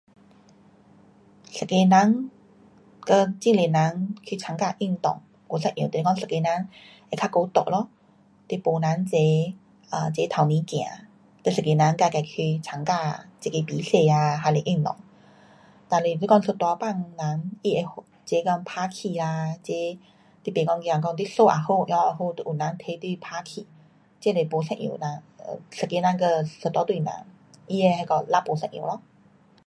一个人跟很多人去参加运动不一样，就是讲一个人会较孤独咯，你没人齐，um 齐前面走，你一个人自自去参加一个比赛啊，还是运动，若是你讲一大班人，他会齐讲打气啊，齐不讲你比如讲赢也好输也好都有人跟你打气。这是不一样啊，一个人和一群人，他的那个力不一样咯。